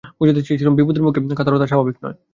বোঝাতে চেয়েছিলুম বিপদের মুখে কাতরতা স্বাভাবিক নয়।